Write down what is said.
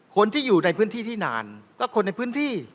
คนที่อยู่ในพื้นที่ที่นานก็คนในพื้นที่